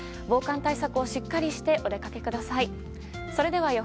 防寒対策をしっかりしてお出かけください。